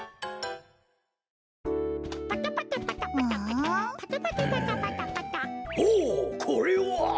んおおっこれは！